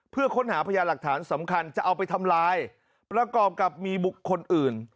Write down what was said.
เพื่อค้นหาพยานหลักฐานสำคัญจะเอาไปทำลายประกอบกับมีบุคคลอื่น